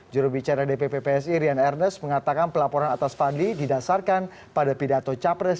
jurubicara dpp psi rian ernest mengatakan pelaporan atas fadli didasarkan pada pidato capres